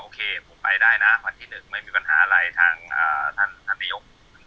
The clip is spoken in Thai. โอเคผมไปได้น่ะวันที่หนึ่งไม่มีปัญหาอะไรทางอ่าท่านนายยก